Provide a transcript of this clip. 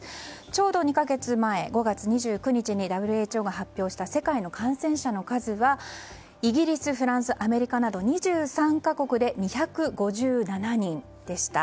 ちょうど２か月前５月２９日にＷＨＯが発表した世界の感染者の数はイギリス、フランスアメリカなど２３か国で２５７人でした。